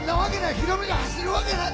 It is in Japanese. ヒロミが走るわけない。